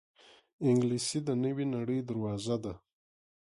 انګلیسي د نوې نړۍ دروازه ده